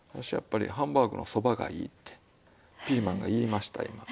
「私やっぱりハンバーグのそばがいい」ってピーマンが言いましたよ。